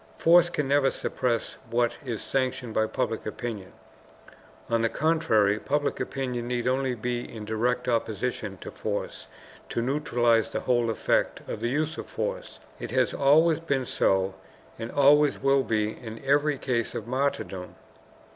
Force can never suppress what is sanctioned by public opinion. On the contrary, public opinion need only be in direct opposition to force to neutralize the whole effect of the use of force. It has always been so and always will be in every case of martyrdom.